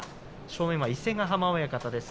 正面には伊勢ヶ濱親方です。